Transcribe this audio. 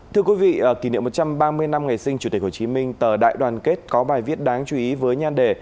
thưa quý vị kỷ niệm một trăm ba mươi năm ngày sinh chủ tịch hồ chí minh tờ đại đoàn kết có bài viết đáng chú ý với nhan đề